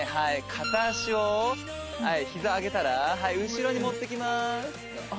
片足を膝上げたら後ろに持ってきます